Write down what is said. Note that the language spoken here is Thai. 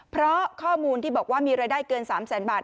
เพราะข้อมูลที่บอกว่ามีรายได้เกิน๓แสนบาท